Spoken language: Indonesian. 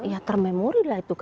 ya termemori lah itu